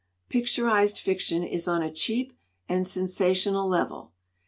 Picturized fiction is on a cheap and sensational level.